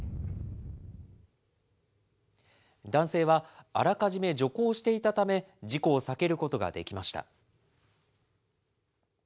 男性は、あらかじめ徐行していたため、事故を避けることができました。